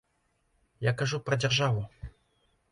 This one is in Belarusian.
Я кажу пра дзяржаву.